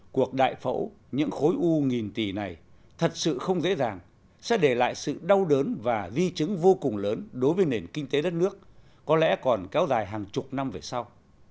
cuộc đại phẫu những khối u nghìn tỷ này thật sự không dễ dàng sẽ để lại sự đau đớn và di chứng vô cùng lớn đối với nền kinh tế đất nước có lẽ còn kéo dài hàng chục năm về sau